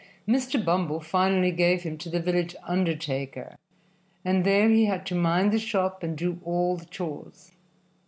Mr. Bumble finally gave him to the village undertaker, and there he had to mind the shop and do all the chores.